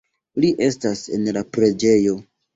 Iu estas en la preĝejo.